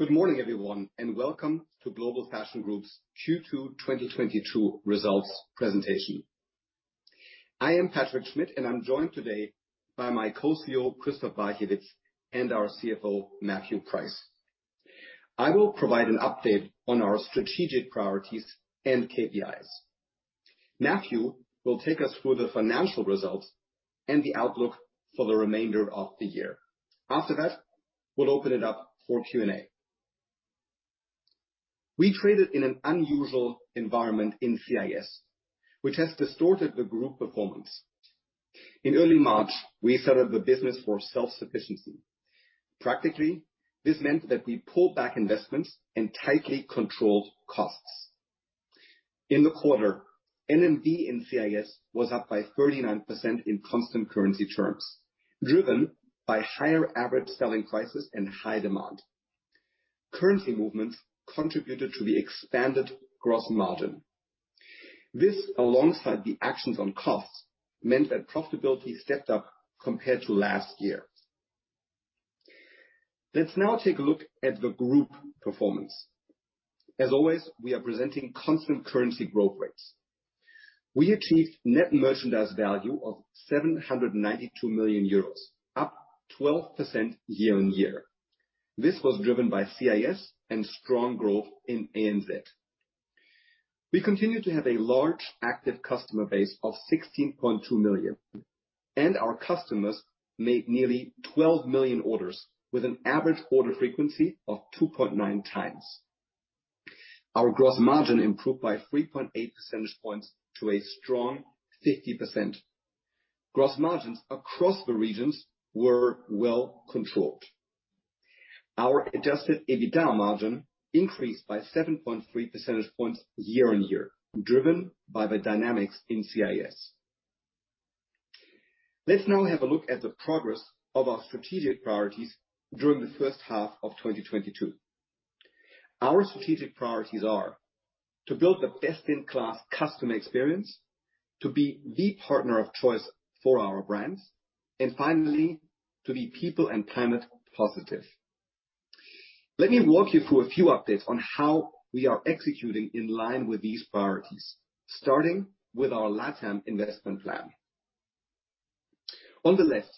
Good morning, everyone, and welcome to Global Fashion Group's Q2 2022 results presentation. I am Patrick Schmidt, and I'm joined today by my Co-CEO, Christoph Barchewitz, and our CFO, Matthew Price. I will provide an update on our strategic priorities and KPIs. Matthew will take us through the financial results and the outlook for the remainder of the year. After that, we'll open it up for Q&A. We traded in an unusual environment in CIS, which has distorted the group performance. In early March, we set up the business for self-sufficiency. Practically, this meant that we pulled back investments and tightly controlled costs. In the quarter, NMV in CIS was up by 39% in constant currency terms, driven by higher average selling prices and high demand. Currency movements contributed to the expanded gross margin. This, alongside the actions on costs, meant that profitability stepped up compared to last year. Let's now take a look at the group performance. As always, we are presenting constant currency growth rates. We achieved net merchandise value of 792 million euros, up 12% year-over-year. This was driven by CIS and strong growth in ANZ. We continue to have a large active customer base of 16.2 million, and our customers made nearly 12 million orders with an average order frequency of 2.9x. Our gross margin improved by 3.8 percentage points to a strong 50%. Gross margins across the regions were well controlled. Our Adjusted EBITDA margin increased by 7.3 percentage points year-over-year, driven by the dynamics in CIS. Let's now have a look at the progress of our strategic priorities during the first half of 2022. Our strategic priorities are to build the best-in-class customer experience, to be the partner of choice for our brands, and finally, to be People & Planet Positive. Let me walk you through a few updates on how we are executing in line with these priorities, starting with our LATAM investment plan. On the left,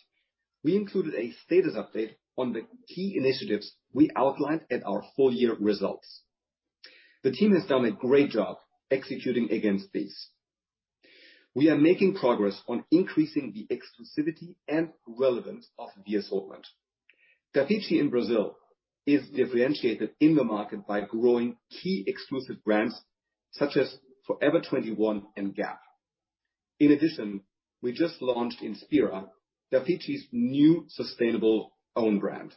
we included a status update on the key initiatives we outlined at our full year results. The team has done a great job executing against these. We are making progress on increasing the exclusivity and relevance of the assortment. Dafiti in Brazil is differentiated in the market by growing key exclusive brands such as Forever 21 and Gap. In addition, we just launched Inspira, Dafiti's new sustainable own brand.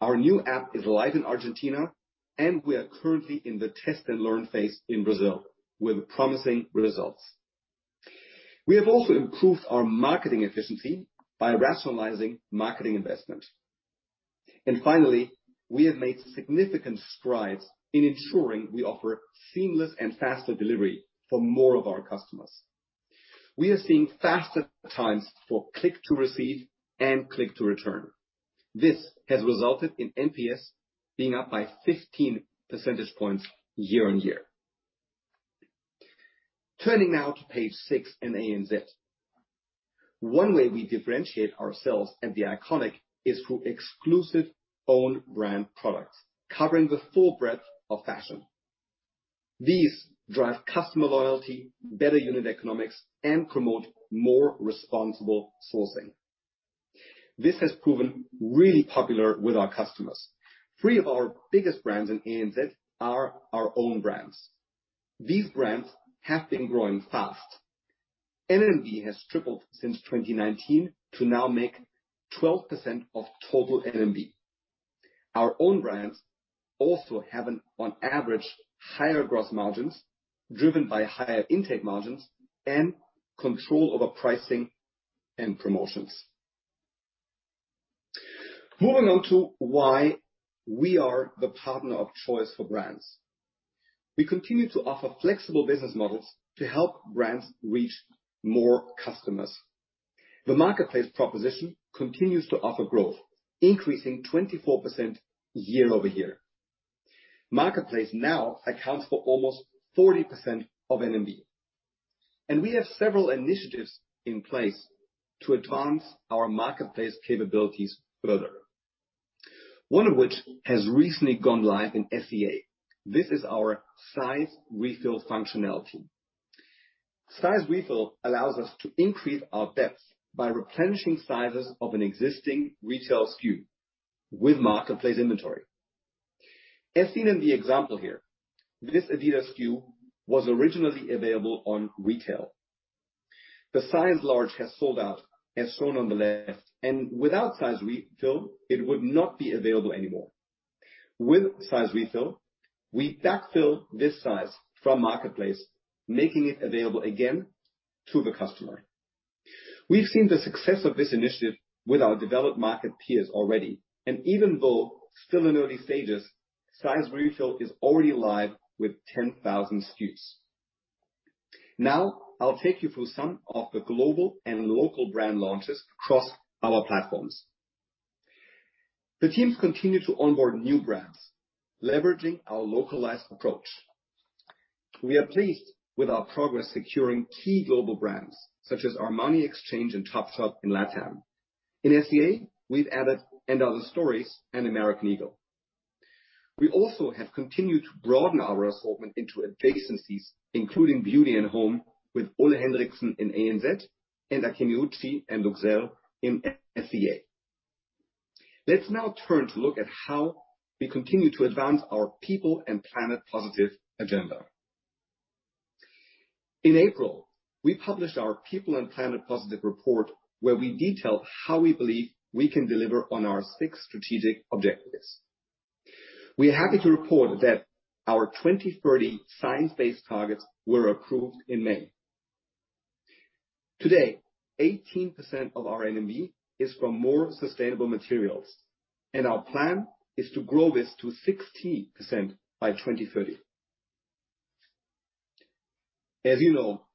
Our new app is live in Argentina, and we are currently in the test and learn phase in Brazil with promising results. We have also improved our marketing efficiency by rationalizing marketing investment. Finally, we have made significant strides in ensuring we offer seamless and faster delivery for more of our customers. We are seeing faster times for click to receive and click to return. This has esulted in NPS being up by 15 percentage points year-on-year. Turning now to page six and ANZ. One way we differentiate ourselves at THE ICONIC is through exclusive own brand products covering the full breadth of fashion. These drive customer loyalty, better unit economics, and promote more responsible sourcing. This has proven really popular with our customers. Three of our biggest brands in ANZ are our own brands. These brands have been growing fast. NMV has tripled since 2019 to now make 12% of total NMV. Our own brands also have an, on average, higher gross margins driven by higher intake margins and control over pricing and promotions. Moving on to why we are the partner of choice for brands. We continue to offer flexible business models to help brands reach more customers. The marketplace proposition continues to offer growth, increasing 24% year-over-year. Marketplace now accounts for almost 40% of NMV, and we have several initiatives in place to advance our marketplace capabilities further. One of which has recently gone live in SEA. This is our size refill functionality. Size refill allows us to increase our depth by replenishing sizes of an existing retail SKU with marketplace inventory. As seen in the example here, this Adidas SKU was originally available on retail. The size large has sold out as shown on the left, and without size refill, it would not be available anymore. With size refill, we backfill this size from marketplace, making it available again to the customer. We've seen the success of this initiative with our developed market peers already, and even though still in early stages, size refill is already live with 10,000 SKUs. Now I'll take you through some of the global and local brand launches across our platforms. The teams continue to onboard new brands, leveraging our localized approach. We are pleased with our progress securing key global brands such as Armani Exchange and Topshop in LATAM. In SEA, we've added & Other Stories and American Eagle. We also have continued to broaden our assortment into adjacencies, including Beauty & Home, with Ole Henriksen in ANZ, and Aesop and L'Occitane in SEA. Let's now turn to look at how we continue to advance our People and Planet Positive agenda. In April, we published our People and Planet Positive report, where we detailed how we believe we can deliver on our six strategic objectives. We are happy to report that our 2030 Science-Based Targets were approved in May. Today, 18% of our NMV is from more sustainable materials, and our plan is to grow this to 60% by 2030. As you know,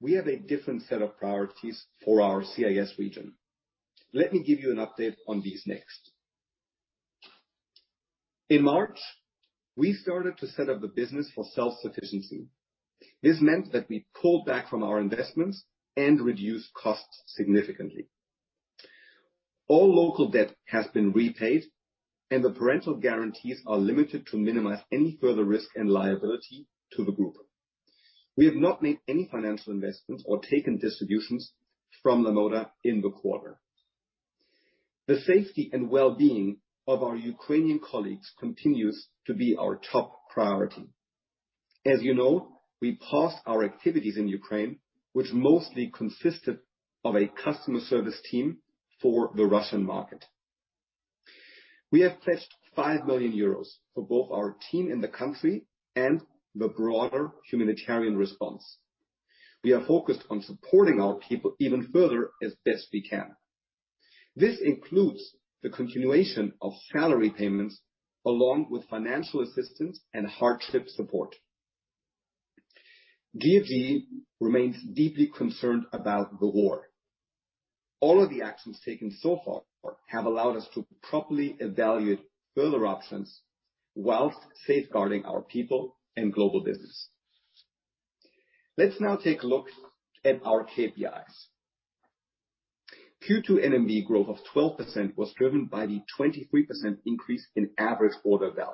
we have a different set of priorities for our CIS region. Let me give you an update on these next. In March, we started to set up the business for self-sufficiency. This meant that we pulled back from our investments and reduced costs significantly. All local debt has been repaid and the parental guarantees are limited to minimize any further risk and liability to the group. We have not made any financial investments or taken distributions from Lamoda in the quarter. The safety and well-being of our Ukrainian colleagues continues to be our top priority. As you know, we paused our activities in Ukraine, which mostly consisted of a customer service team for the Russian market. We have pledged 5 million euros for both our team in the country and the broader humanitarian response. We are focused on supporting our people even further as best we can. This includes the continuation of salary payments along with financial assistance and hardship support. GFG remains deeply concerned about the war. All of the actions taken so far have allowed us to properly evaluate further options while safeguarding our people and global business. Let's now take a look at our KPIs. Q2 NMV growth of 12% was driven by the 23% increase in average order value.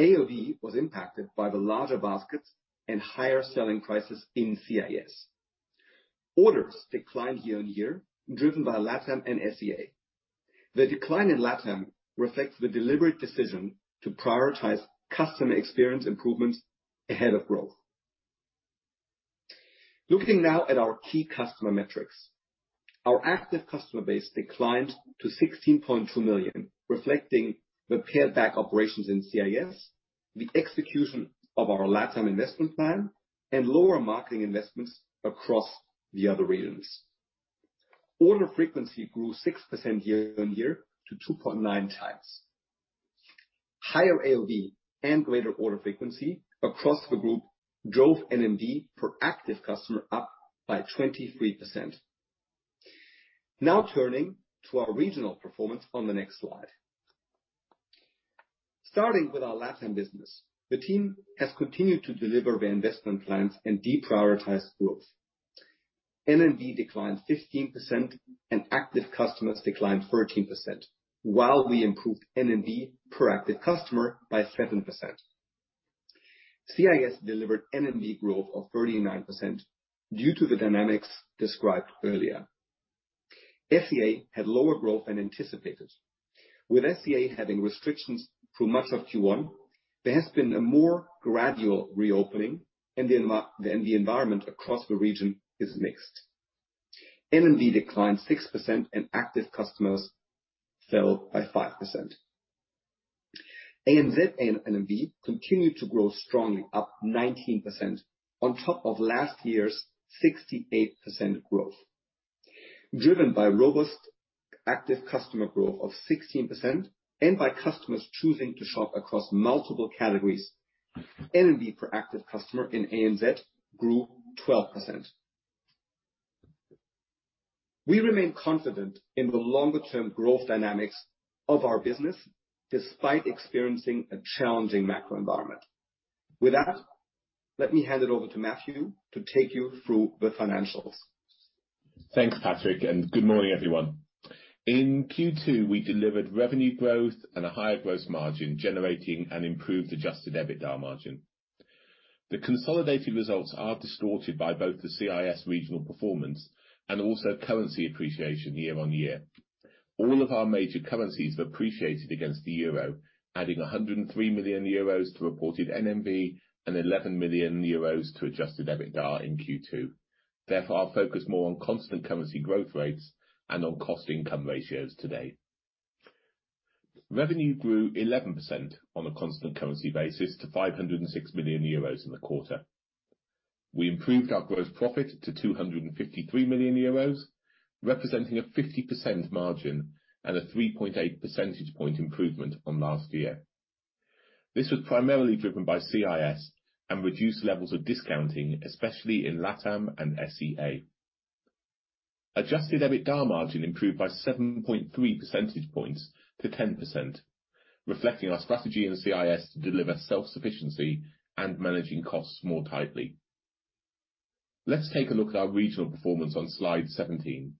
AOV was impacted by the larger baskets and higher selling prices in CIS. Orders declined year-on-year, driven by LATAM and SEA. The decline in LATAM reflects the deliberate decision to prioritize customer experience improvements ahead of growth. Looking now at our key customer metrics. Our active customer base declined to 16.2 million, reflecting the pared-back operations in CIS, the execution of our LATAM investment plan, and lower marketing investments across the other regions. Order frequency grew 6% year-on-year to 2.9x. Higher AOV and greater order frequency across the group drove NMV per active customer up by 23%. Now turning to our regional performance on the next slide. Starting with our LATAM business, the team has continued to deliver the investment plans and deprioritize growth. NMV declined 15% and active customers declined 13%, while we improved NMV per active customer by 7%. CIS delivered NMV growth of 39% due to the dynamics described earlier. SEA had lower growth than anticipated. With SEA having restrictions through much of Q1, there has been a more gradual reopening and the environment across the region is mixed. NMV declined 6% and active customers fell by 5%. ANZ NMV continued to grow strongly, up 19% on top of last year's 68% growth. Driven by robust active customer growth of 16% and by customers choosing to shop across multiple categories, NMV per active customer in ANZ grew 12%. We remain confident in the longer-term growth dynamics of our business despite experiencing a challenging macro environment. With that, let me hand it over to Matthew to take you through the financials. Thanks Patrick, and good morning, everyone. In Q2, we delivered revenue growth and a higher gross margin, generating an improved Adjusted EBITDA margin. The consolidated results are distorted by both the CIS regional performance and also currency appreciation year-on-year. All of our major currencies have appreciated against the euro, adding 103 million euros to reported NMV and 11 million euros to Adjusted EBITDA in Q2. Therefore, I'll focus more on constant currency growth rates and on cost income ratios today. Revenue grew 11% on a constant currency basis to 506 million euros in the quarter. We improved our gross profit to 253 million euros, representing a 50% margin and a 3.8 percentage point improvement from last year. This was primarily driven by CIS and reduced levels of discounting, especially in LATAM and SEA. Adjusted EBITDA margin improved by 7.3 percentage points to 10%, reflecting our strategy in CIS to deliver self-sufficiency and managing costs more tightly. Let's take a look at our regional performance on slide 17.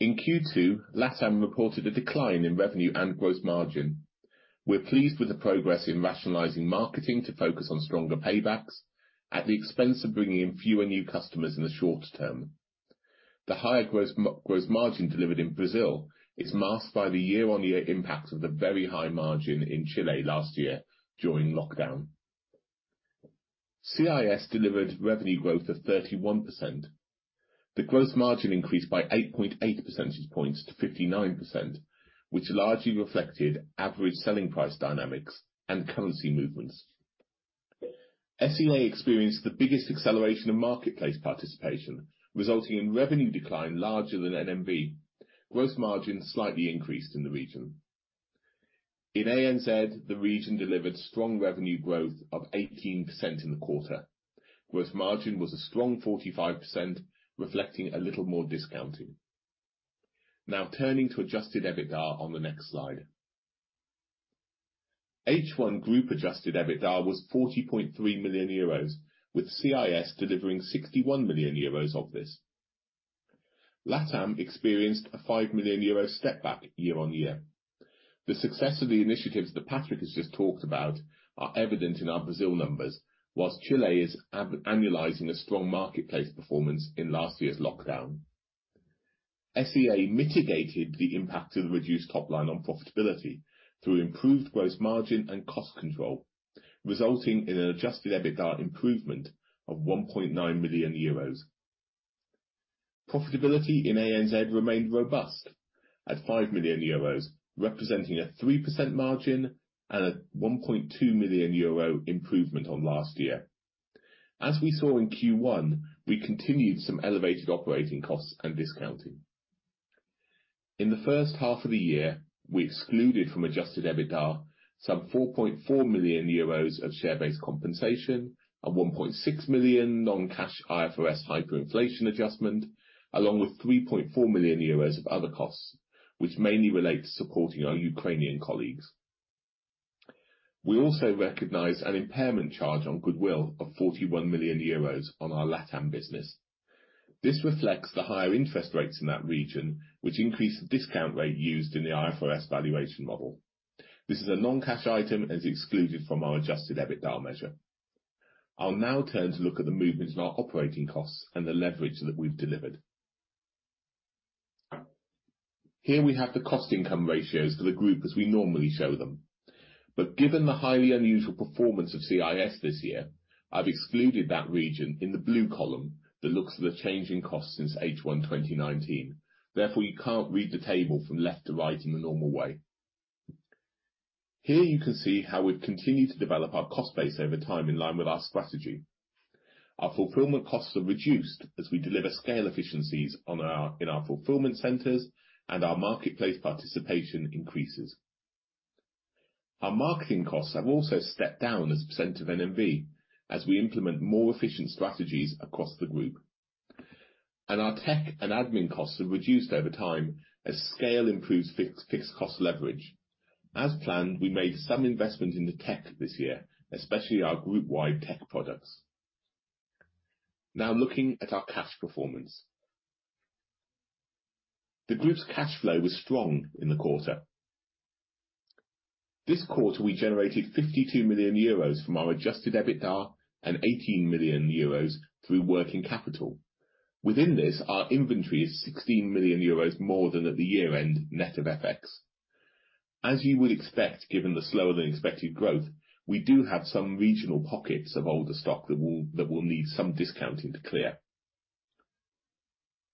In Q2, LATAM reported a decline in revenue and gross margin. We're pleased with the progress in rationalizing marketing to focus on stronger paybacks at the expense of bringing in fewer new customers in the short-term. The higher gross margin delivered in Brazil is masked by the year-on-year impact of the very high margin in Chile last year during lockdown. CIS delivered revenue growth of 31%. The gross margin increased by 8.8 percentage points to 59%, which largely reflected average selling price dynamics and currency movements. SEA experienced the biggest acceleration of marketplace participation, resulting in revenue decline larger than NMV. Gross margin slightly increased in the region. In ANZ, the region delivered strong revenue growth of 18% in the quarter. Gross margin was a strong 45%, reflecting a little more discounting. Now turning to Adjusted EBITDA on the next slide. H1 group Adjusted EBITDA was 40.3 million euros, with CIS delivering 61 million euros of this. LATAM experienced a 5 million euro setback year-on-year. The success of the initiatives that Patrick has just talked about are evident in our Brazil numbers, while Chile is annualizing a strong marketplace performance in last year's lockdown. SEA mitigated the impact of the reduced top line on profitability through improved gross margin and cost control, resulting in an Adjusted EBITDA improvement of 1.9 million euros. Profitability in ANZ remained robust at 5 million euros, representing a 3% margin and a 1.2 million euro improvement on last year. As we saw in Q1, we continued some elevated operating costs and discounting. In the first half of the year, we excluded from Adjusted EBITDA 4.4 million euros of share-based compensation, a 1.6 million non-cash IFRS hyperinflation adjustment, along with 3.4 million euros of other costs, which mainly relate to supporting our Ukrainian colleagues. We also recognized an impairment charge on goodwill of 41 million euros on our LATAM business. This reflects the higher interest rates in that region, which increased the discount rate used in the IFRS valuation model. This is a non-cash item and is excluded from our Adjusted EBITDA measure. I'll now turn to look at the movements in our operating costs and the leverage that we've delivered. Here we have the cost income ratios for the group as we normally show them. Given the highly unusual performance of CIS this year, I've excluded that region in the blue column that looks at the change in cost since H1 2019. Therefore, you can't read the table from left to right in the normal way. Here you can see how we've continued to develop our cost base over time in line with our strategy. Our fulfillment costs are reduced as we deliver scale efficiencies in our fulfillment centers and our marketplace participation increases. Our marketing costs have also stepped down as a percent of NMV as we implement more efficient strategies across the group. Our tech and admin costs have reduced over time as scale improves, fixed cost leverage. As planned, we made some investments in the tech this year, especially our group-wide tech products. Now looking at our cash performance. The group's cash flow was strong in the quarter. This quarter, we generated 52 million euros from our Adjusted EBITDA and 18 million euros through working capital. Within this, our inventory is 16 million euros more than at the year-end net of FX. As you would expect, given the slower than expected growth, we do have some regional pockets of older stock that will need some discounting to clear.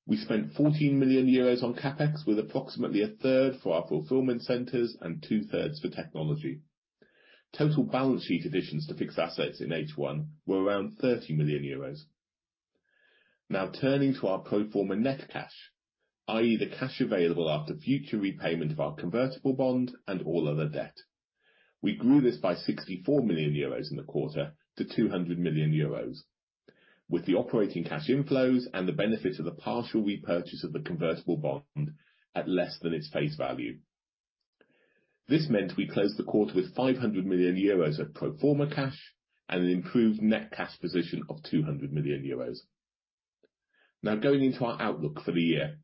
We spent 14 million euros on CapEx with approximately a third for our fulfillment centers and two-thirds for technology. Total balance sheet additions to fixed assets in H1 were around 30 million euros. Now turning to our pro forma net cash, i.e. the cash available after future repayment of our convertible bond and all other debt. We grew this by 64 million euros in the quarter to 200 million euros, with the operating cash inflows and the benefit of the partial repurchase of the convertible bond at less than its face value. This meant we closed the quarter with 500 million euros of pro forma cash and an improved net cash position of 200 million euros. Now going into our outlook for the year.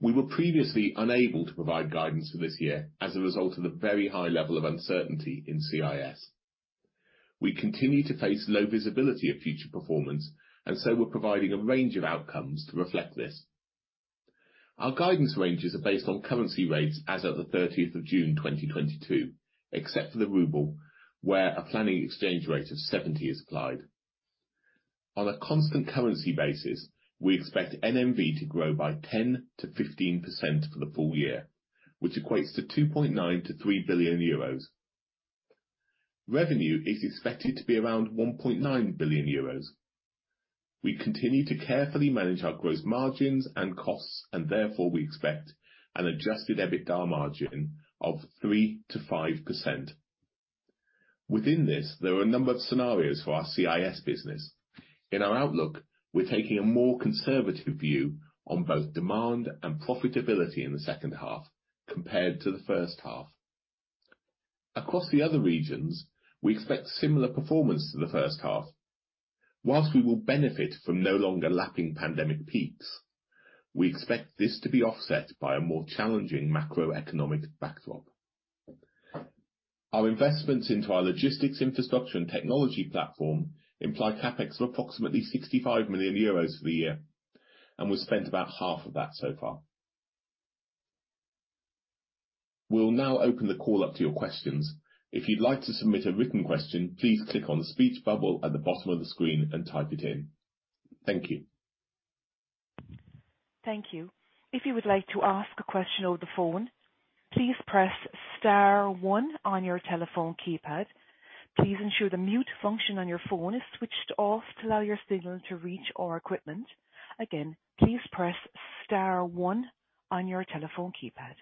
We were previously unable to provide guidance for this year as a result of the very high level of uncertainty in CIS. We continue to face low visibility of future performance, and so we're providing a range of outcomes to reflect this. Our guidance ranges are based on currency rates as of the June 30, 2022, except for the ruble, where a planning exchange rate of 70 is applied. On a constant currency basis, we expect NMV to grow by 10%-15% for the full year, which equates to 2.9 billion-3 billion euros. Revenue is expected to be around 1.9 billion euros. We continue to carefully manage our gross margins and costs and therefore we expect an Adjusted EBITDA margin of 3%-5%. Within this, there are a number of scenarios for our CIS business. In our outlook, we're taking a more conservative view on both demand and profitability in the second half compared to the first half. Across the other regions, we expect similar performance to the first half. While we will benefit from no longer lapping pandemic peaks, we expect this to be offset by a more challenging macroeconomic backdrop. Our investments into our logistics infrastructure and technology platform imply CapEx of approximately 65 million euros for the year, and we've spent about half of that so far. We'll now open the call up to your questions. If you'd like to submit a written question, please click on the speech bubble at the bottom of the screen and type it in. Thank you. Thank you. If you would like to ask a question over the phone, please press star one on your telephone keypad. Please ensure the mute function on your phone is switched off to allow your signal to reach our equipment. Again, please press star one on your telephone keypad.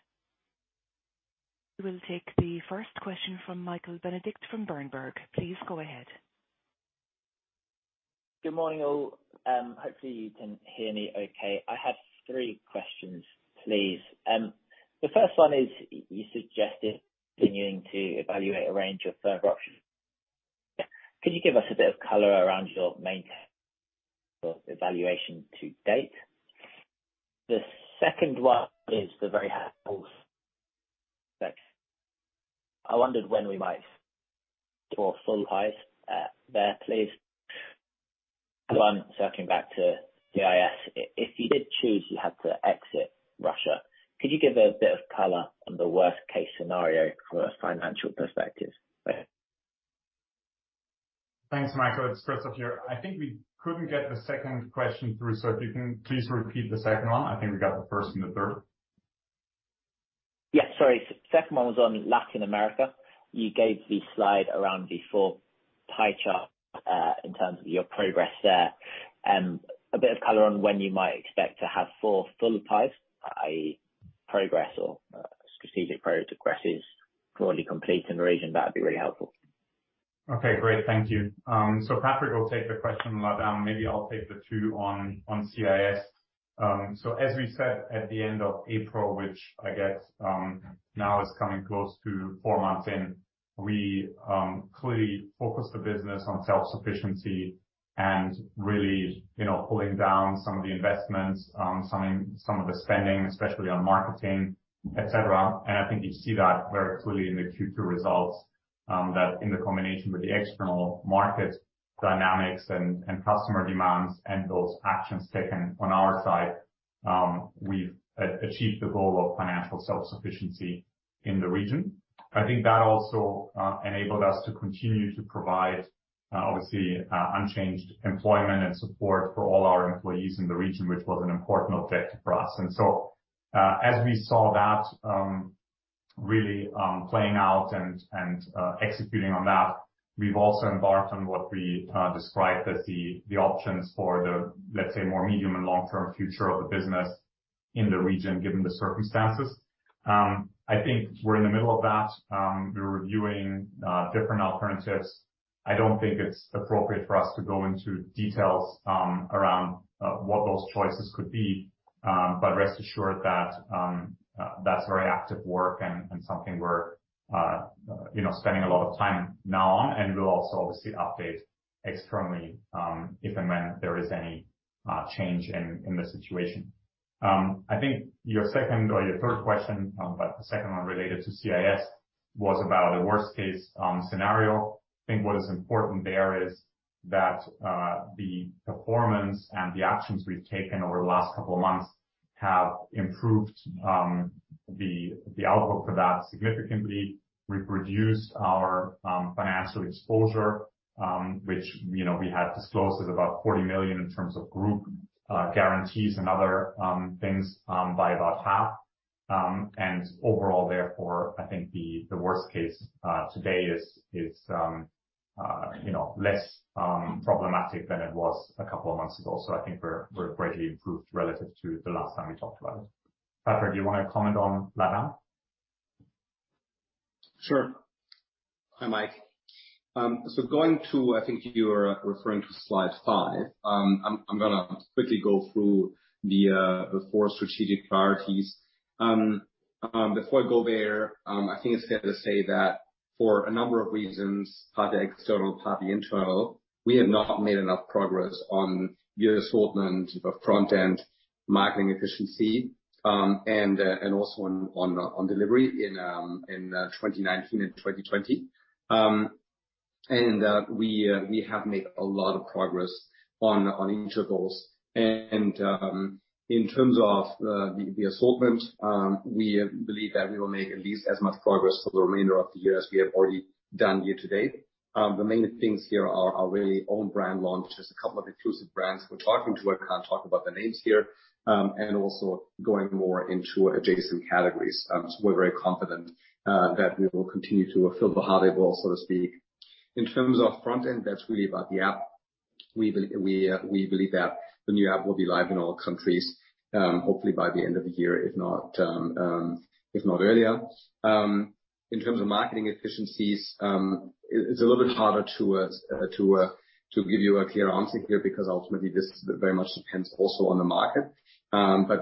We'll take the first question from Michael Benedict from Berenberg. Please go ahead. Good morning, all. Hopefully you can hear me okay. I have three questions, please. The first one is, you suggested continuing to evaluate a range of further options. Could you give us a bit of color around your main evaluation to date? The second one is, I wondered when we might have full visibility there, please. Third one, circling back to CIS, if you did choose to exit Russia, could you give a bit of color on the worst case scenario from a financial perspective? Thanks, Michael. It's Christoph here. I think we couldn't get the second question through, so if you can please repeat the second one. I think we got the first and the third. Second one was on Latin America. You gave the slide around the four pie chart in terms of your progress there. A bit of color on when you might expect to have four full pies, i.e. progress or strategic priority progress is broadly complete in the region, that'd be really helpful. Okay, great. Thank you. Patrick will take the question on LATAM. Maybe I'll take the two on CIS. As we said at the end of April, which I guess now is coming close to four months in, we clearly focused the business on self-sufficiency and really, you know, pulling down some of the investments, some of the spending, especially on marketing, etc. I think you see that very clearly in the Q2 results, that in the combination with the external market dynamics and customer demands and those actions taken on our side, we've achieved the goal of financial self-sufficiency in the region. I think that also enabled us to continue to provide, obviously, unchanged employment and support for all our employees in the region, which was an important objective for us. As we saw that, really, playing out and executing on that, we've also embarked on what we described as the options for the, let's say, more medium- and long-term future of the business in the region, given the circumstances. I think we're in the middle of that. We're reviewing different alternatives. I don't think it's appropriate for us to go into details around what those choices could be. Rest assured that's very active work and something we're, you know, spending a lot of time now on, and we'll also obviously update externally, if and when there is any, change in the situation. I think your second or your third question, but the second one related to CIS was about a worst case scenario. I think what is important there is that the performance and the actions we've taken over the last couple of months have improved the outlook for that significantly. We've reduced our financial exposure, which, you know, we have disclosed is about 40 million in terms of group guarantees and other things by about half. Overall therefore, I think the worst case today is, you know, less problematic than it was a couple of months ago. I think we're greatly improved relative to the last time we talked about it. Patrick, do you wanna comment on LATAM? Sure. Hi, Michael. So, I think you're referring to slide five. I'm gonna quickly go through the four strategic priorities. Before I go there, I think it's fair to say that for a number of reasons, part external, part internal, we have not made enough progress on the assortment and front-end marketing efficiency, and also on delivery in 2019 and 2020. We have made a lot of progress on each of those. In terms of the assortments, we believe that we will make at least as much progress for the remainder of the year as we have already done here today. The main things here are really own brand launches, a couple of inclusive brands we're talking to. I can't talk about the names here. Also going more into adjacent categories. We're very confident that we will continue to fill the hardware, so to speak. In terms of front-end, that's really about the app. We believe that the new app will be live in all countries, hopefully by the end of the year, if not earlier. In terms of marketing efficiencies, it's a little bit harder to give you a clear answer here because ultimately this very much depends also on the market.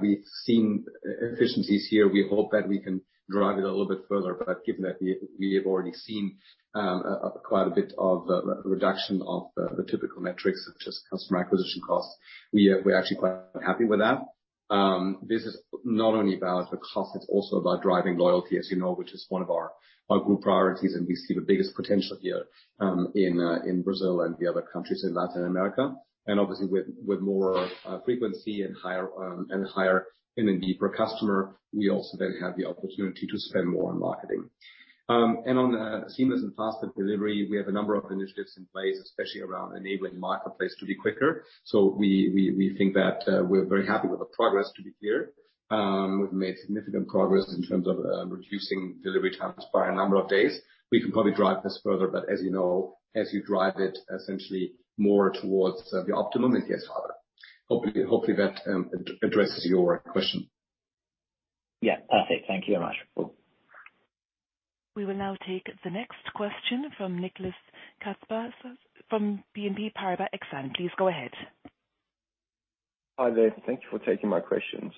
We've seen efficiencies here. We hope that we can drive it a little bit further. Given that we have already seen a quite a bit of reduction of the typical metrics, such as customer acquisition costs, we're actually quite happy with that. This is not only about the cost, it's also about driving loyalty, as you know, which is one of our group priorities, and we see the biggest potential here in Brazil and the other countries in Latin America. Obviously with more frequency and higher and higher NMV per customer, we also then have the opportunity to spend more on marketing. On seamless and faster delivery, we have a number of initiatives in place, especially around enabling marketplace to be quicker. We think that we're very happy with the progress to be clear. We've made significant progress in terms of reducing delivery times by a number of days. We can probably drive this further, but as you know, as you drive it essentially more towards the optimum, it gets harder. Hopefully that addresses your question. Yeah. Perfect. Thank you very much. Cool. We will now take the next question from Nicolas Katsapas from BNP Paribas Exane. Please go ahead. Hi there, thank you for taking my questions.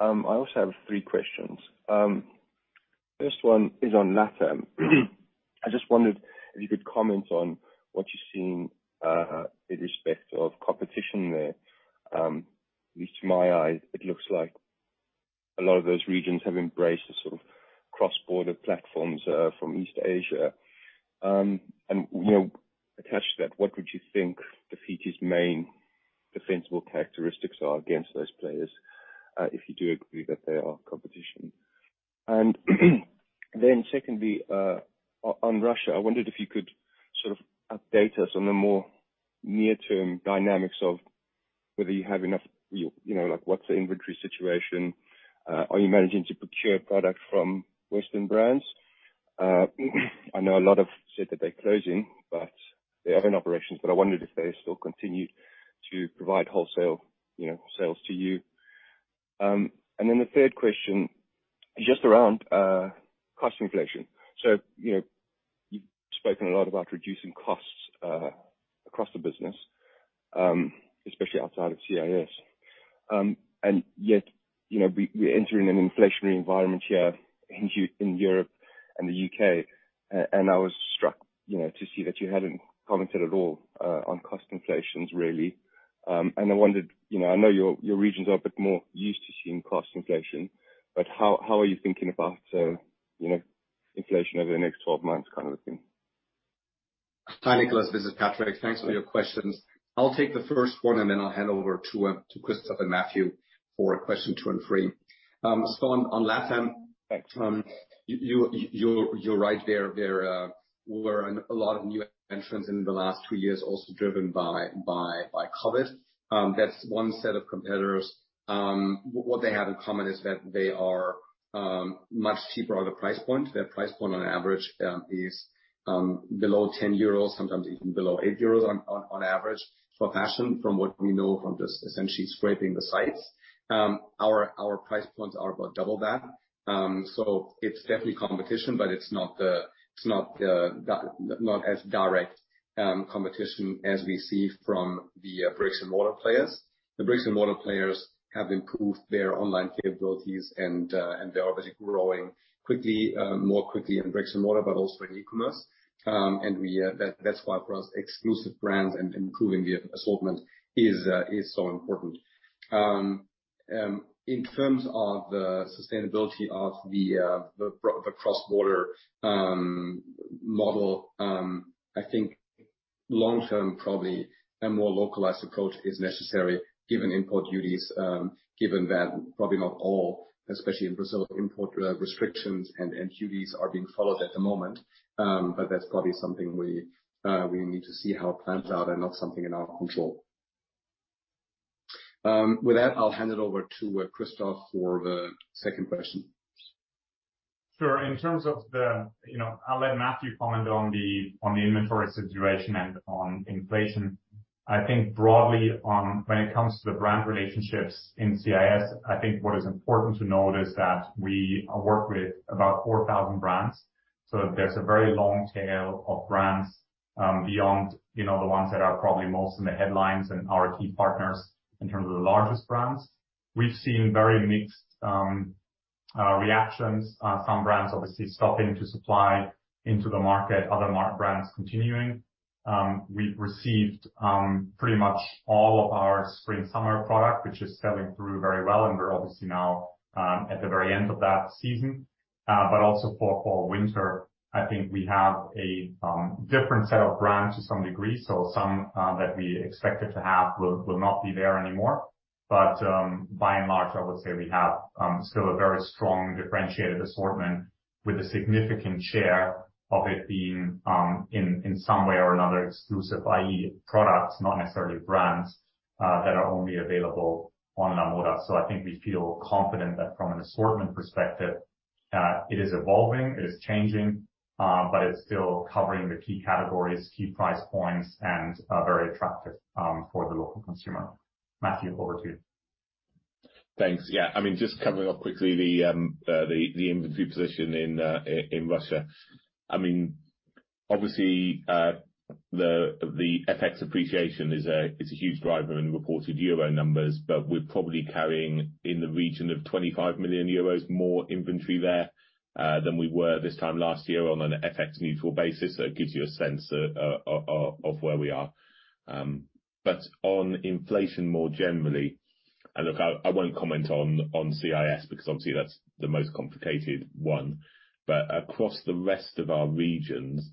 I also have three questions. First one is on LATAM. I just wondered if you could comment on what you're seeing in respect of competition there. At least to my eyes, it looks like a lot of those regions have embraced the sort of cross-border platforms from East Asia. You know, attached to that, what would you think the future's main defensible characteristics are against those players, if you do agree that they are competition? Secondly, on Russia, I wondered if you could sort of update us on the more near-term dynamics of whether you have enough. You know, like what's the inventory situation? Are you managing to procure product from Western brands? I know a lot have said that they're closing, but they are in operations, but I wondered if they still continued to provide wholesale, you know, sales to you. And then the third question is just around cost inflation. You know, you've spoken a lot about reducing costs across the business, especially outside of CIS. And yet, you know, we are entering an inflationary environment here in U.K. And I was struck, you know, to see that you hadn't commented at all on cost inflation really. And I wondered, you know, I know your regions are a bit more used to seeing cost inflation, but how are you thinking about, you know, inflation over the next twelve months kind of a thing? Hi, Nicolas, this is Patrick. Thanks for your questions. I'll take the first one, and then I'll hand over to Christoph and Matthew for question two and three. On LATAM, you're right, there were a lot of new entrants in the last two years also driven by COVID. That's one set of competitors. What they have in common is that they are much cheaper on the price point. Their price point on average is below 10 euros, sometimes even below 8 euros on average for fashion, from what we know from just essentially scraping the sites. Our price points are about double that. It's definitely competition, but it's not as direct competition as we see from the bricks-and-mortar players. The bricks-and-mortar players have improved their online capabilities and they're obviously growing quickly, more quickly in bricks and mortar, but also in e-commerce. That's why for us, exclusive brands and improving the assortment is so important. In terms of the sustainability of the cross-border model, I think long-term, probably a more localized approach is necessary given import duties, given that probably not all, especially in Brazil, import restrictions and duties are being followed at the moment. That's probably something we need to see how it plans out and not something in our control. With that, I'll hand it over to Christoph for the second question. Sure. In terms of the, you know, I'll let Matthew comment on the inventory situation and on inflation. I think broadly on when it comes to the brand relationships in CIS, I think what is important to note is that we work with about 4,000 brands, so there's a very long tail of brands beyond, you know, the ones that are probably most in the headlines and our key partners in terms of the largest brands. We've seen very mixed reactions. Some brands obviously stopping to supply into the market, other brands continuing. We've received pretty much all of our spring/summer product, which is selling through very well, and we're obviously now at the very end of that season. Also for fall/winter, I think we have a different set of brands to some degree. Some that we expected to have will not be there anymore. By and large, I would say we have still a very strong differentiated assortment with a significant share of it being in some way or another exclusive, i.e. products, not necessarily brands, that are only available on Lamoda. I think we feel confident that from an assortment perspective it is evolving, it is changing, but it's still covering the key categories, key price points, and very attractive for the local consumer. Matthew, over to you. Thanks. Yeah. I mean, just covering off quickly the inventory position in Russia. I mean, obviously, the FX appreciation is a huge driver in the reported euro numbers, but we're probably carrying in the region of 25 million euros more inventory there than we were this time last year on an FX neutral basis. So it gives you a sense of where we are. But on inflation more generally, and look, I won't comment on CIS because obviously that's the most complicated one. But across the rest of our regions,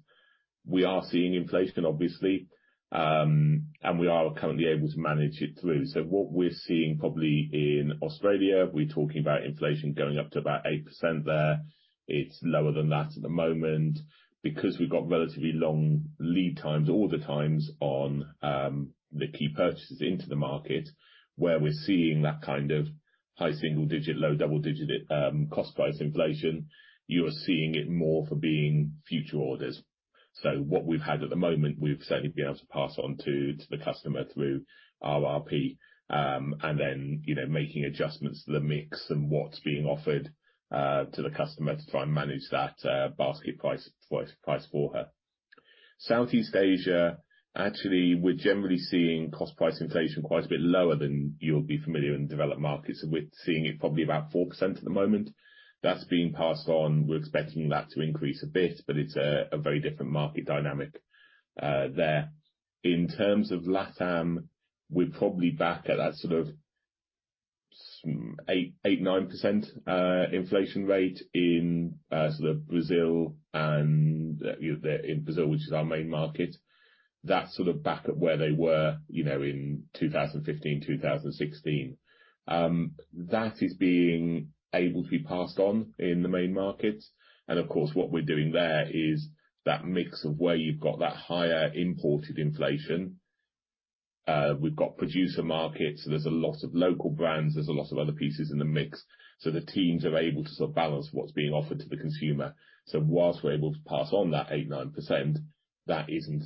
we are seeing inflation obviously, and we are currently able to manage it through. So what we're seeing probably in Australia, we're talking about inflation going up to about 8% there. It's lower than that at the moment because we've got relatively long lead times, order times on the key purchases into the market where we're seeing that kind of high single digit, low double digit cost price inflation. You're seeing it more for being future orders. What we've had at the moment, we've certainly been able to pass on to the customer through RRP, and then, you know, making adjustments to the mix and what's being offered to the customer to try and manage that basket price for her. Southeast Asia, actually, we're generally seeing cost price inflation quite a bit lower than you'll be familiar in developed markets. We're seeing it probably about 4% at the moment. That's being passed on. We're expecting that to increase a bit, but it's a very different market dynamic there. In terms of LATAM, we're probably back at that sort of 8%-9% inflation rate in sort of Brazil and you know in Brazil, which is our main market. That's sort of back at where they were you know in 2015, 2016. That is being able to be passed on in the main markets. Of course, what we're doing there is that mix of where you've got that higher imported inflation, we've got producer markets, so there's a lot of local brands, there's a lot of other pieces in the mix. The teams are able to sort of balance what's being offered to the consumer. Whilst we're able to pass on that 8%-9%, that isn't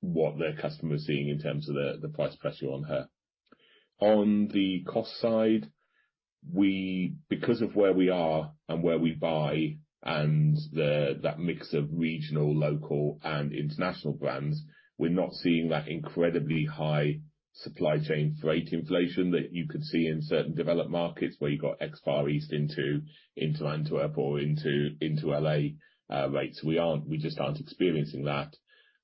what the customer is seeing in terms of the price pressure on her. On the cost side, because of where we are and where we buy and that mix of regional, local, and international brands, we're not seeing that incredibly high supply chain freight inflation that you could see in certain developed markets where you've got ex Far East into Antwerp or into L.A. rates. We just aren't experiencing that.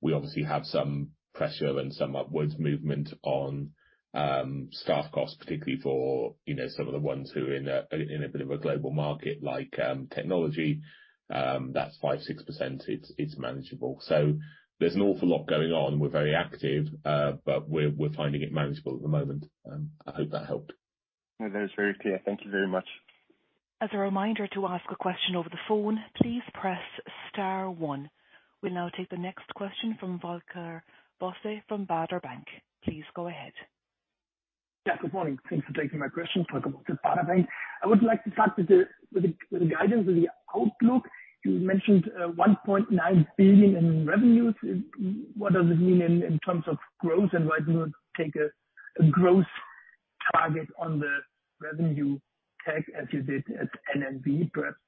We obviously have some pressure and some upwards movement on staff costs, particularly for some of the ones who are in a bit of a global market like technology, that's 5%-6%. It's manageable. There's an awful lot going on. We're very active, but we're finding it manageable at the moment. I hope that helped. No, that is very clear. Thank you very much. As a reminder to ask a question over the phone, please press star one. We'll now take the next question from Volker Bosse from Baader Bank. Please go ahead. Yeah. Good morning. Thanks for taking my question. Volker Bosse, Baader Bank. I would like to start with the guidance, with the outlook. You mentioned 1.9 billion in revenues. What does it mean in terms of growth and why do you not take a growth target on the revenue take as you did at NMV? Perhaps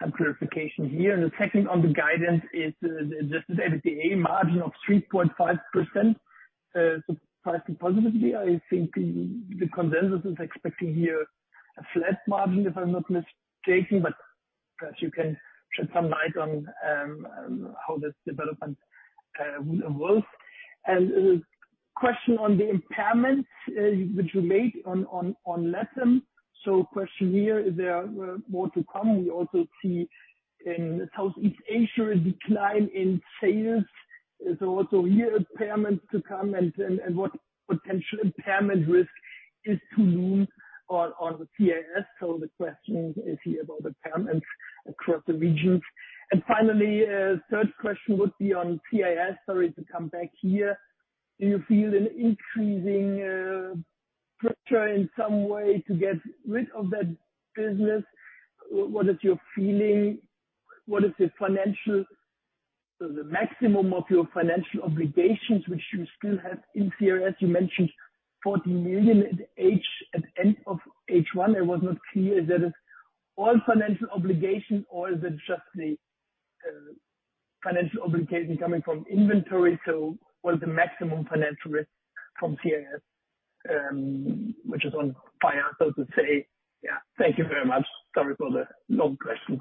some clarification here. The second on the guidance is the Adjusted EBITDA margin of 3.5%, surprising positively. I think the consensus is expecting here a flat margin, if I'm not mistaken, but perhaps you can shed some light on how this development evolves. A question on the impairments, which you made on LATAM. Question here, is there more to come? We also see in Southeast Asia a decline in sales. Is there also here impairments to come and what potential impairment risk is to loom on the CIS? So the question is here about impairments across the regions. Finally, third question would be on CIS. Sorry to come back here. Do you feel an increasing pressure in some way to get rid of that business? What is your feeling? What is the financial. So the maximum of your financial obligations which you still have in CIS, you mentioned 40 million at end of H1. I was not clear. Is that it's all financial obligations or is it just the financial obligation coming from inventory? So what's the maximum financial risk from CIS? Which is on fire, so to say. Yeah. Thank you very much. Sorry for the long questions.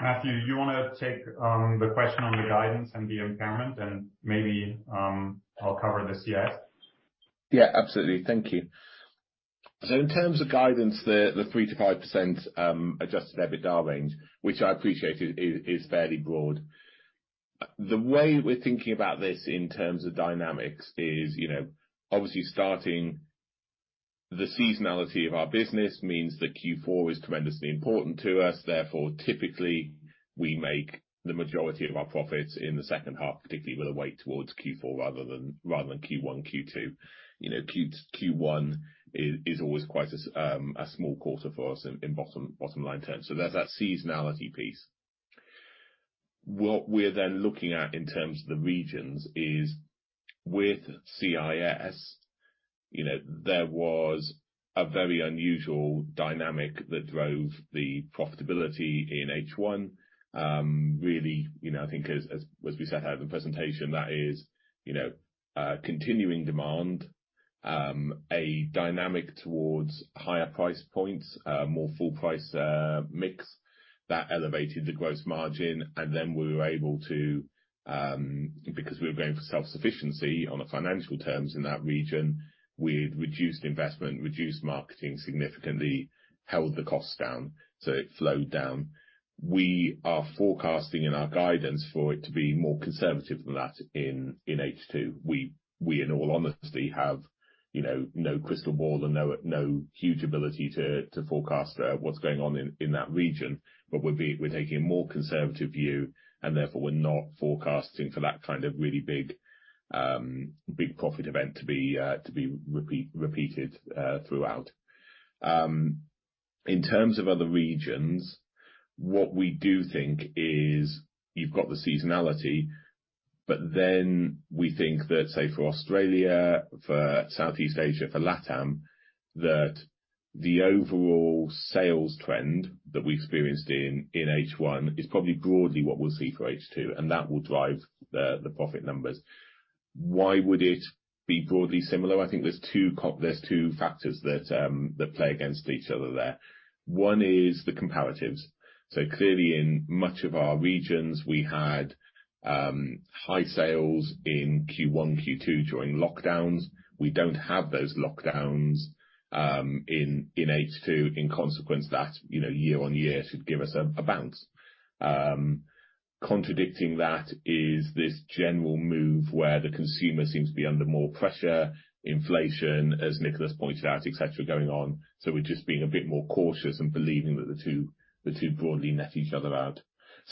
Thanks. Matthew, do you wanna take the question on the guidance and the impairment and maybe I'll cover the CIS? Yeah, absolutely. Thank you. In terms of guidance, the 3%-5% Adjusted EBITDA range, which I appreciate is fairly broad. The way we're thinking about this in terms of dynamics is, you know, obviously starting the seasonality of our business means that Q4 is tremendously important to us. Therefore, typically we make the majority of our profits in the second half, particularly with a weight towards Q4 rather than Q1, Q2. You know, Q1 is always quite a small quarter for us in bottom line terms. There's that seasonality piece. What we're then looking at in terms of the regions is with CIS, you know, there was a very unusual dynamic that drove the profitability in H1. Really, you know, I think as we set out in the presentation, that is, you know, continuing demand, a dynamic towards higher price points, more full price mix that elevated the gross margin. Then we were able to, because we were going for self-sufficiency on the financial terms in that region, we reduced investment, reduced marketing significantly, held the costs down, so it flowed down. We are forecasting in our guidance for it to be more conservative than that in H2. We in all honesty have, you know, no crystal ball and no huge ability to forecast what's going on in that region. We're taking a more conservative view, and therefore we're not forecasting for that kind of really big profit event to be repeated throughout. In terms of other regions, what we do think is you've got the seasonality, but then we think that, say for Australia, for Southeast Asia, for LATAM, that the overall sales trend that we experienced in H1 is probably broadly what we'll see for H2, and that will drive the profit numbers. Why would it be broadly similar? I think there's two factors that play against each other there. One is the comparatives. So clearly in much of our regions, we had high sales in Q1, Q2 during lockdowns. We don't have those lockdowns in H2. In consequence, you know, year-on-year should give us a bounce. Contradicting that is this general move where the consumer seems to be under more pressure, inflation, as Nicolas pointed out, etc, going on. We're just being a bit more cautious and believing that the two broadly net each other out.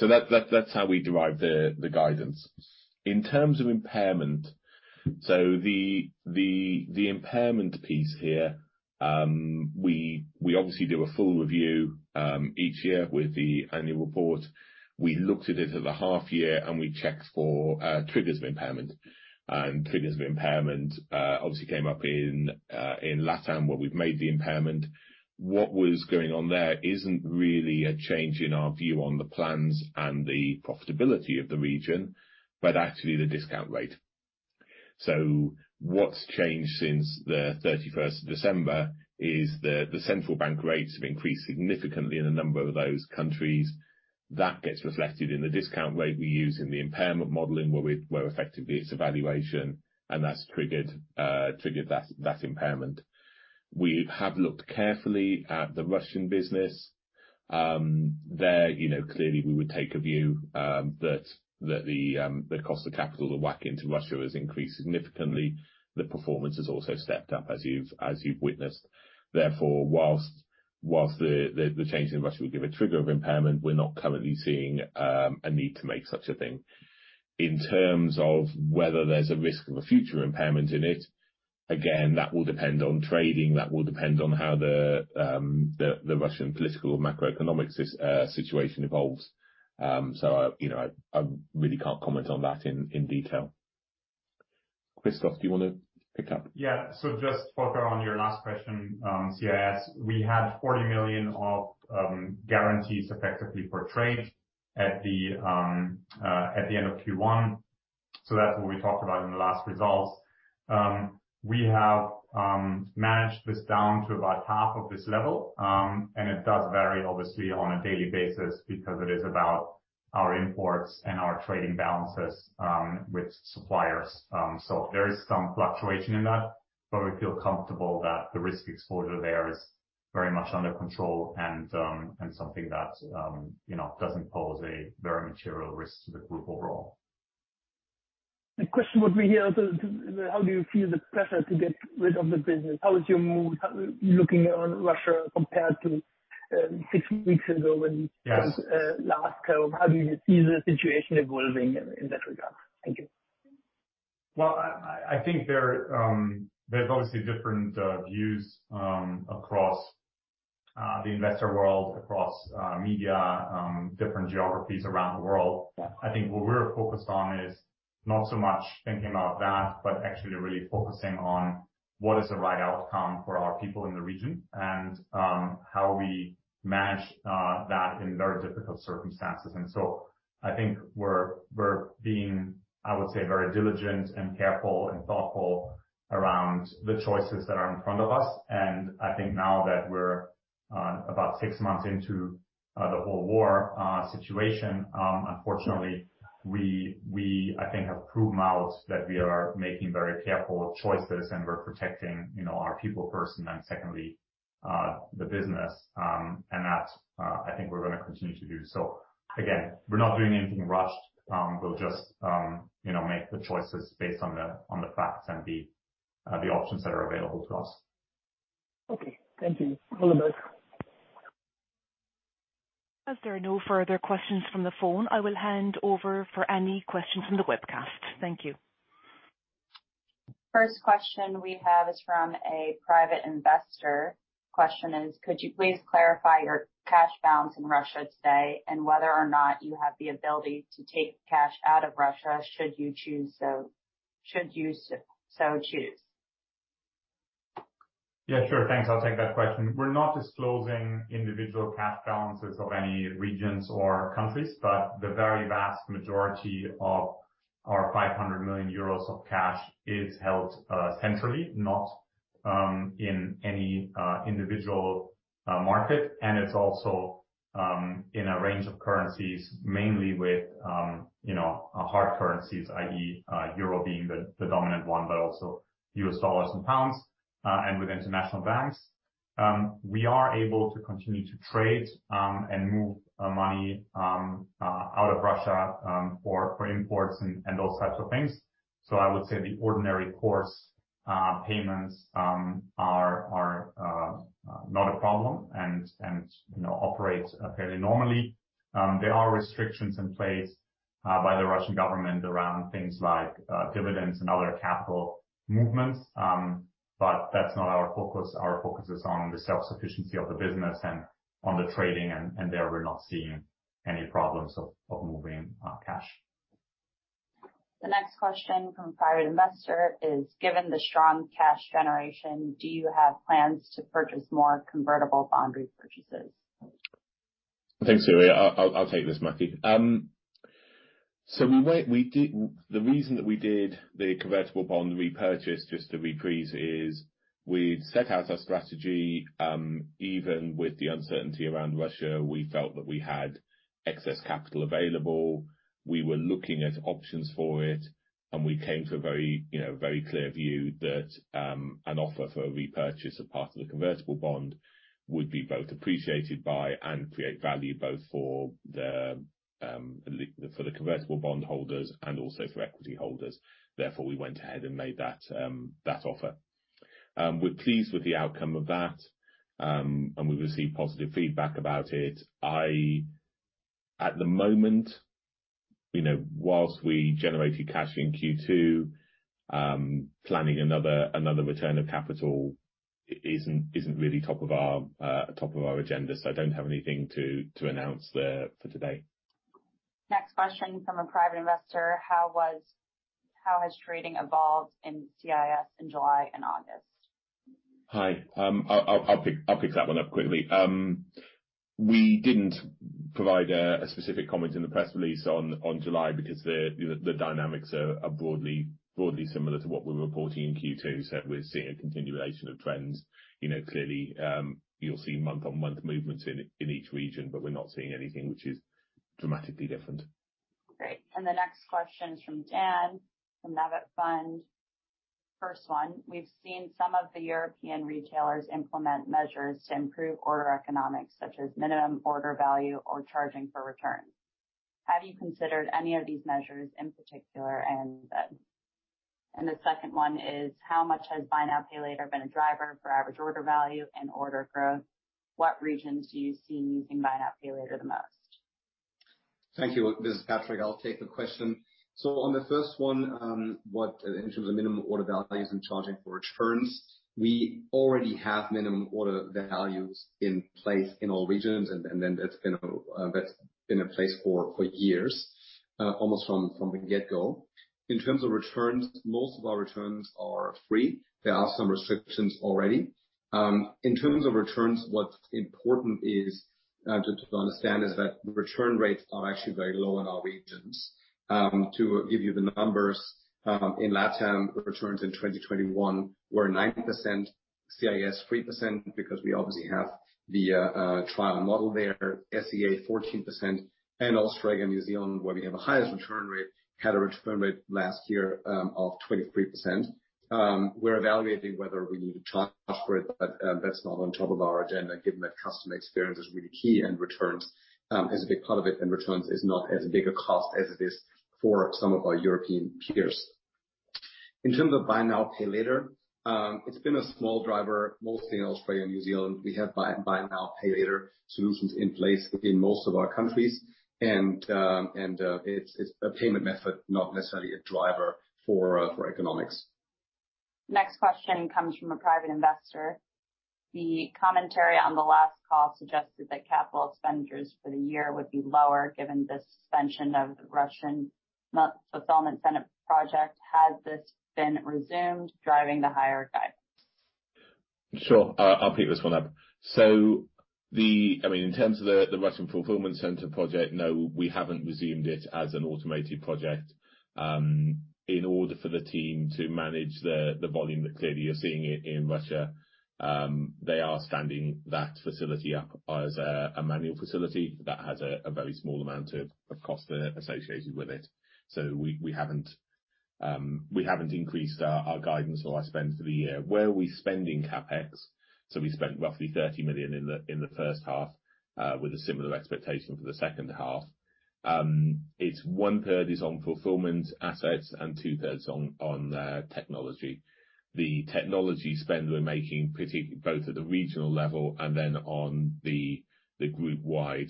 That's how we derive the guidance. In terms of impairment, the impairment piece here, we obviously do a full review each year with the annual report. We looked at it at the half year, and we checked for triggers of impairment. Triggers of impairment obviously came up in LATAM, where we've made the impairment. What was going on there isn't really a change in our view on the plans and the profitability of the region, but actually the discount rate. What's changed since December 31, is the central bank rates have increased significantly in a number of those countries. That gets reflected in the discount rate we use in the impairment modeling, where effectively it's a valuation, and that's triggered that impairment. We have looked carefully at the Russian business. There, you know, clearly we would take a view that the cost of capital, the WACC into Russia, has increased significantly. The performance has also stepped up, as you've witnessed. Therefore, while the change in Russia would give a trigger of impairment, we're not currently seeing a need to make such a thing. In terms of whether there's a risk of a future impairment in it, again, that will depend on trading. That will depend on how the Russian political or macroeconomic situation evolves. You know, I really can't comment on that in detail. Christoph, do you wanna pick up? Yeah. Just further on your last question, CIS, we had 40 million of guarantees effectively for trade at the end of Q1. That's what we talked about in the last results. We have managed this down to about half of this level. It does vary obviously on a daily basis because it is about our imports and our trading balances with suppliers. There is some fluctuation in that, but we feel comfortable that the risk exposure there is very much under control and something that you know doesn't pose a very material risk to the group overall. The question would be here, so how do you feel the pressure to get rid of the business? How is your mood looking on Russia compared to, six weeks ago. How do you see the situation evolving in that regard? Thank you. Well, I think there's obviously different views across the investor world, across media, different geographies around the world. I think what we're focused on is not so much thinking about that, but actually really focusing on what is the right outcome for our people in the region and how we manage that in very difficult circumstances. I think we're being, I would say, very diligent and careful and thoughtful around the choices that are in front of us. I think now that we're about 6 months into the whole war situation, unfortunately, I think, have proven out that we are making very careful choices and we're protecting, you know, our people first and then secondly the business. I think we're gonna continue to do so. Again, we're not doing anything rushed. We'll just, you know, make the choices based on the facts and the options that are available to us. Okay, thank you. All the best. As there are no further questions from the phone, I will hand over for any questions from the webcast. Thank you. First question we have is from a private investor. Question is could you please clarify your cash balance in Russia today and whether or not you have the ability to take cash out of Russia should you so choose? Yeah, sure. Thanks. I'll take that question. We're not disclosing individual cash balances of any regions or countries, but the very vast majority of our 500 million euros of cash is held centrally, not in any individual market. It's also in a range of currencies, mainly with you know hard currencies, i.e., euro being the dominant one, but also US dollars and pounds and with international banks. We are able to continue to trade and move money out of Russia for imports and those types of things. I would say the ordinary course payments are not a problem and you know operates fairly normally. There are restrictions in place by the Russian government around things like dividends and other capital movements. That's not our focus. Our focus is on the self-sufficiency of the business and on the trading, and there we're not seeing any problems of moving cash. The next question from a private investor is, given the strong cash generation, do you have plans to purchase more convertible bond repurchases? Thanks, Julia. I'll take this, Matthew. The reason that we did the convertible bond repurchase just to reprise is we'd set out our strategy, even with the uncertainty around Russia, we felt that we had excess capital available. We were looking at options for it, and we came to a very, you know, very clear view that, an offer for a repurchase of part of the convertible bond would be both appreciated by and create value both for the convertible bond holders and also for equity holders. Therefore, we went ahead and made that offer. We're pleased with the outcome of that, and we've received positive feedback about it. At the moment, you know, while we generated cash in Q2, planning another return of capital isn't really top of our agenda. I don't have anything to announce there for today. Next question from a private investor. How has trading evolved in CIS in July and August? Hi. I'll pick that one up quickly. We didn't provide a specific comment in the press release on July because you know the dynamics are broadly similar to what we're reporting in Q2. We're seeing a continuation of trends. You know, clearly, you'll see month-on-month movements in each region, but we're not seeing anything which is dramatically different. Great. The next question is from Dan from Navi Fund. First one, we've seen some of the European retailers implement measures to improve order economics such as minimum order value or charging for returns. Have you considered any of these measures in particular? The second one is how much has buy now, pay later been a driver for average order value and order growth? What regions do you see using buy now, pay later the most? Thank you. This is Patrick. I'll take the question. On the first one, what in terms of minimum order values and charging for returns, we already have minimum order values in place in all regions. Then that's been in place for years, almost from the get-go. In terms of returns, most of our returns are free. There are some restrictions already. In terms of returns, what's important is to understand is that return rates are actually very low in our regions. To give you the numbers, in LATAM, returns in 2021 were 9%, CIS 3%, because we obviously have the trial model there, SEA 14%, and Australia and New Zealand, where we have the highest return rate, had a return rate last year of 23%. We're evaluating whether we need to charge for it, but that's not on top of our agenda, given that customer experience is really key and returns is a big part of it, and returns is not as big a cost as it is for some of our European peers. In terms of buy now, pay later, it's been a small driver, mostly in Australia and New Zealand. We have buy now, pay later solutions in place in most of our countries. It's a payment method, not necessarily a driver for economics. Next question comes from a private investor. The commentary on the last call suggested that capital expenditures for the year would be lower given the suspension of the Russian fulfillment center project. Has this been resumed driving the higher guidance? Sure. I'll pick this one up. I mean, in terms of the Russian fulfillment center project, no, we haven't resumed it as an automated project. In order for the team to manage the volume that clearly you're seeing in Russia, they are standing that facility up as a manual facility that has a very small amount of cost associated with it. We haven't increased our guidance or our spend for the year. Where are we spending CapEx? We spent roughly 30 million in the first half, with a similar expectation for the second half. It's one-third is on fulfillment assets and two-thirds on technology. The technology spend we're making both at the regional level and then on the group-wide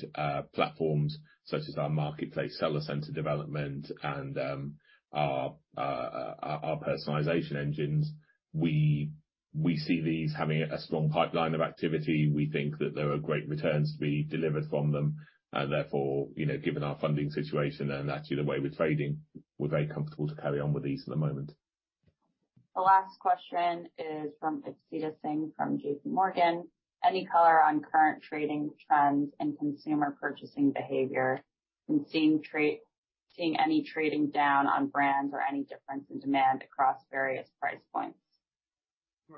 platforms such as our marketplace seller center development and our personalization engines. We see these having a strong pipeline of activity. We think that there are great returns to be delivered from them, and therefore, you know, given our funding situation and actually the way we're trading, we're very comfortable to carry on with these at the moment. The last question is from Ekta Singh from JPMorgan. Any color on current trading trends and consumer purchasing behavior and seeing any trading down on brands or any difference in demand across various price points?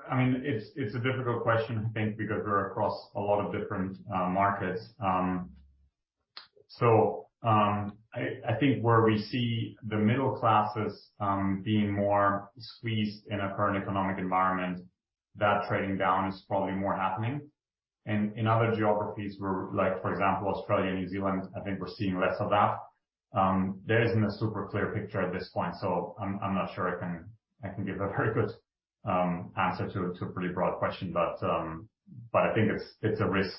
I mean, it's a difficult question I think because we're across a lot of different markets. I think where we see the middle classes being more squeezed in a current economic environment, that trading down is probably more happening. In other geographies where like, for example, Australia and New Zealand, I think we're seeing less of that. There isn't a super clear picture at this point, so I'm not sure I can give a very good answer to a pretty broad question. I think it's a risk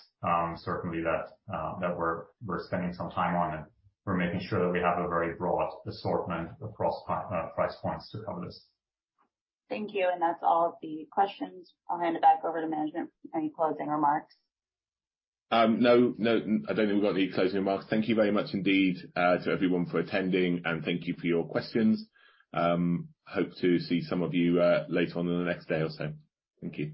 certainly that we're spending some time on, and we're making sure that we have a very broad assortment across price points to cover this. Thank you. That's all of the questions. I'll hand it back over to management for any closing remarks. No, I don't think we've got any closing remarks. Thank you very much indeed to everyone for attending and thank you for your questions. Hope to see some of you later on in the next day or so. Thank you.